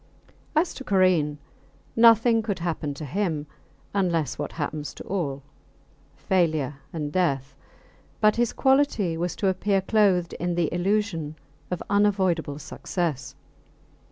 As to Karain, nothing could happen to him unless what happens to all failure and death; but his quality was to appear clothed in the illusion of unavoidable success.